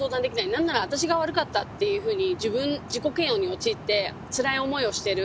何なら私が悪かったっていうふうに自己嫌悪に陥ってつらい思いをしてる。